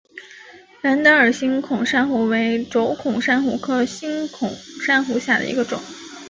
蓝德尔星孔珊瑚为轴孔珊瑚科星孔珊瑚下的一个种。